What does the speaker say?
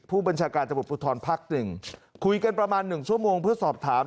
ผู้บัญชาการตำรวจภูทรภักดิ์หนึ่งคุยกันประมาณหนึ่งชั่วโมงเพื่อสอบถาม